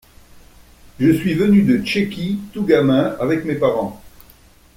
Je suis venu de Tchéquie tout gamin, avec mes parents.